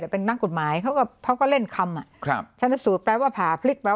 แต่เป็นตั้งกฎหมายเขาก็เล่นคำครับชนสูตรแปลว่าผ่าพลิกไป